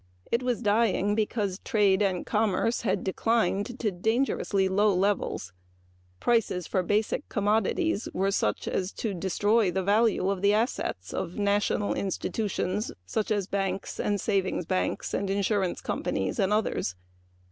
It was dying because trade and commerce had declined to dangerously low levels; prices for basic commodities were such as to destroy the value of the assets of national institutions such as banks, savings banks, insurance companies, and others.